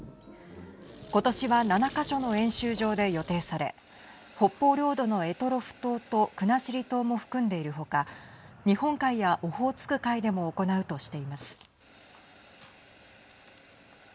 今年は７か所の演習場で予定され北方領土の択捉島と国後島も含んでいる他日本海やオホーツク海でも行うとしています。